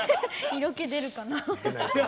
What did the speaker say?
色気出るかな。